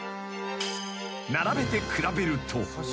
［並べて比べると］